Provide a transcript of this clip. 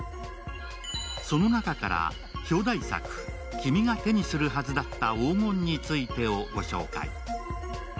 その中から、表題作「君が手にするはずだった黄金について」をご紹介。